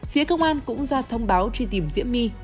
phía công an cũng ra thông báo truy tìm diễm my